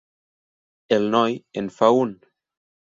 El noi en fa un.